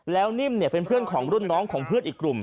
แล้วนิ่มเนี่ยเป็นเพื่อนของรุ่นน้องของเพื่อนอีกกลุ่ม